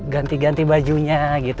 ganti ganti bajunya gitu